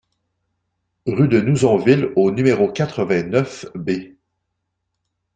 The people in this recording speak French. Rue de Nouzonville au numéro quatre-vingt-neuf B